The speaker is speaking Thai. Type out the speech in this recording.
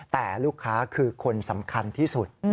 แต่ลูกค้าคือคนสำคัญที่สุด